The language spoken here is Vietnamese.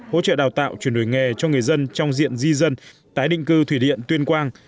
hỗ trợ đào tạo chuyển đổi nghề cho người dân trong diện di dân tái định cư thủy điện tuyên quang